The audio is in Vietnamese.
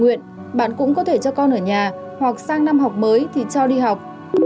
các con cũng có thể cho con ở nhà hoặc sang năm học mới thì cho đi học